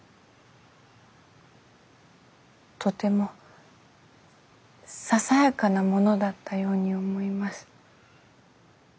とてもささやかなものだったように思います。